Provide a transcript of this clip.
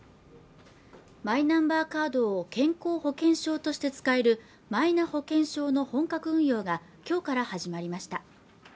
マイナンバーカードを健康保険証として使えるマイナ保険証の本格運用がきょうから始まりました